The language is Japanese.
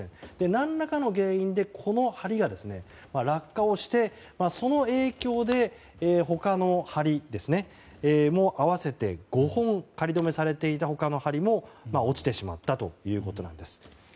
何らかの原因でこの梁が落下をしてその影響で他の梁も合わせて５本仮止めされていた他の梁も落ちてしまったということです。